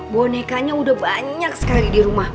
bonekanya udah banyak sekali dirumah